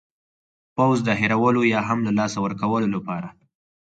پوځ د هېرولو یا هم له لاسه ورکولو لپاره.